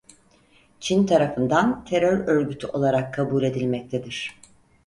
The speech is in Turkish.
Çin tarafından terör örgütü olarak kabul edilmektedir.